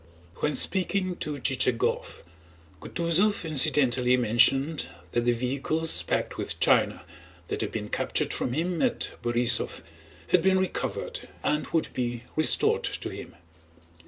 When speaking to Chichagóv, Kutúzov incidentally mentioned that the vehicles packed with china that had been captured from him at Borísov had been recovered and would be restored to him.